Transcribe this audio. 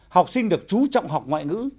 học sinh được trú trọng học ngoại ngữ